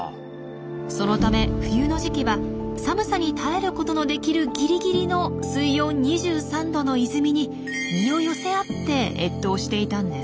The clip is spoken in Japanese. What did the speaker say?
そのため冬の時期は寒さに耐えることのできるギリギリの水温２３℃の泉に身を寄せ合って越冬していたんです。